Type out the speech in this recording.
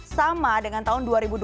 sama dengan tahun dua ribu dua puluh